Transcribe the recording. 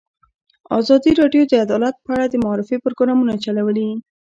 ازادي راډیو د عدالت په اړه د معارفې پروګرامونه چلولي.